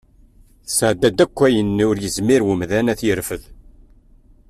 Tesɛedda-d akk ayen ur yezmir umdan ad yerfed.